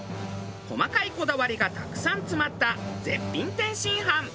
細かいこだわりがたくさん詰まった絶品天津飯。